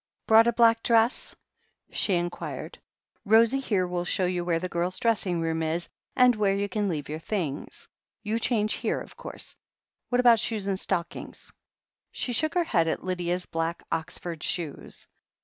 "Brought a black dress ?" she inquired. "Rosie here will show you where the girls' dressing room is, and where you can leave your things. You change here, of course. What about shoes and stockings ?" She shook her head at Lydia's black Oxford shoes.